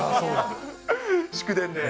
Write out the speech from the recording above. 祝電で？